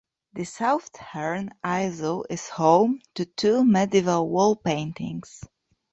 The southern aisle is home to two medieval wall paintings.